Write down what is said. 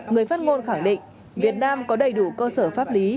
người phát ngôn khẳng định việt nam có đầy đủ cơ sở pháp lý